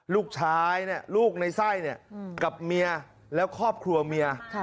ลูกชายลูกในไส้กับเมียแล้วครอบครัวเมีย